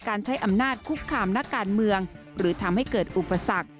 ใช้อำนาจคุกคามนักการเมืองหรือทำให้เกิดอุปสรรค